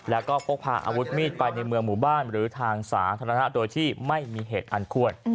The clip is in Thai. แล้วก็พกพาอาวุธมีดไปในเมืองหมู่บ้านหรือทางสาธารณะโดยที่ไม่มีเหตุอันควร